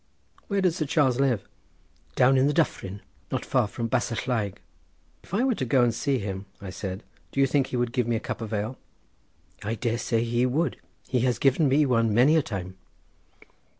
"Where does Sir Charles live?" "Down in the Dyfryn, not far from Basallaig." "If I were to go and see him," I said, "do you think he would give me a cup of ale?" "I dare say he would; he has given me one many a time."